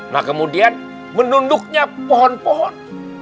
nah kemudian menunduknya pohon pohon